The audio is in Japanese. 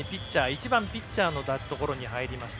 １番ピッチャーのところに入りました。